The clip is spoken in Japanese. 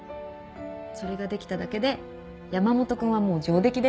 それができただけで山本君はもう上出来だよ